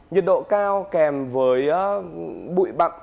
nhiệt độ cao kèm với bụi bặng